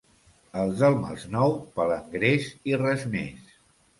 Els del Masnou, palangrers i res més.